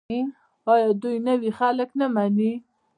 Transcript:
آیا دوی نوي خلک نه مني؟